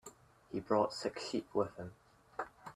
He brought six sheep with him.